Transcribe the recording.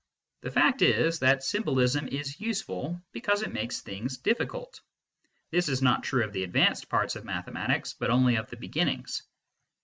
The fact is that symbolism is useful because it makes things difficult. (This is not true of the advanced parts of mathematics, but only of the beginnings.)